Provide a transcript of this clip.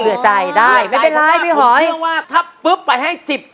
รู้จักว่าถ้าไปให้๑๐